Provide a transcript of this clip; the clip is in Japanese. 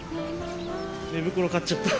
寝袋買っちゃった。